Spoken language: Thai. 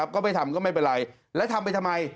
ก็ไม่ทำก็ไม่เป็นไรแล้วทำไปทำไม